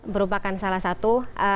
berupakan salah satu